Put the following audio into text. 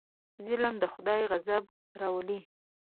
ظلم د خدای غضب راولي.